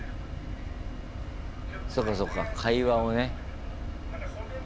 そうかそうか会話をね。